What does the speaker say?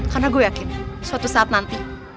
karena gue yakin suatu saat nanti